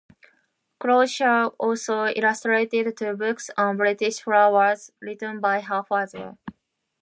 Crawshaw also illustrated two books on British flowers written by her father.